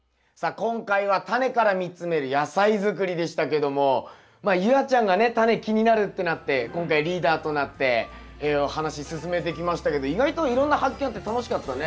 今回は「タネから見つめる野菜づくり」でしたけどもまあ夕空ちゃんがねタネ気になるってなって今回リーダーとなってお話進めてきましたけど意外といろんな発見あって楽しかったね。